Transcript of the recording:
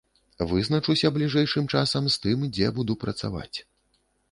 Вызначуся бліжэйшым часам з тым, дзе буду працаваць.